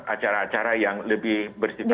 acara acara yang lebih bersifat